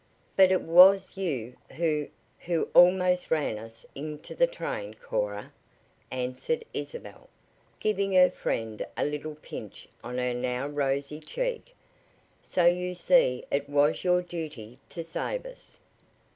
"But it was you who who almost ran us into the train, Cora," answered Isabel, giving her friend a little pinch on her now rosy cheek. "So you see it was your duty to save us."